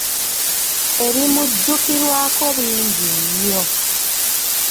Ebimujjukirwako bing nnyo.